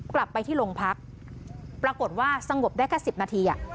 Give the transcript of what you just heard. กลับไปที่โรงพักปรากฏว่าสงบได้แค่๑๐นาที